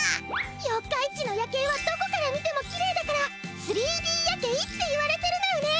四日市の夜けいはどこから見てもキレイだから３Ｄ夜けいっていわれてるのよね！